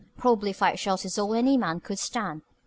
Probably five shots is all any man could stand.